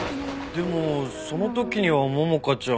でもその時には桃香ちゃん